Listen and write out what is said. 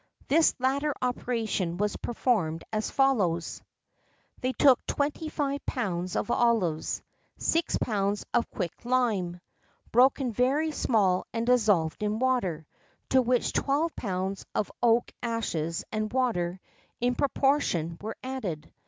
This latter operation was performed as follows: They took twenty five pounds of olives, six pounds of quick lime, broken very small and dissolved in water, to which twelve pounds of oak ashes and water in proportion were added.